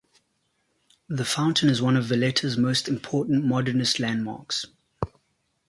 The fountain is one of Valletta's most important Modernist landmarks.